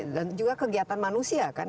dan juga kegiatan manusia kan